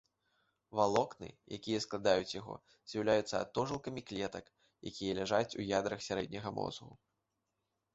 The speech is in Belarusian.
Валокны, якія складаюць яго, з'яўляюцца атожылкамі клетак, якія ляжаць у ядрах сярэдняга мозгу.